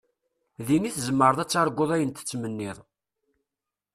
Din i tzemreḍ ad targuḍ ayen tettmenniḍ.